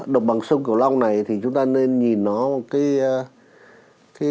đồng bằng sông kiểu long này thì chúng ta nên nhìn nó một cái